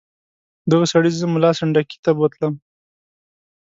دغه سړي زه ملا سنډکي ته بوتلم.